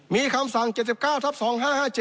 มีคำสั่ง๗๙ทับ๒๕๕๗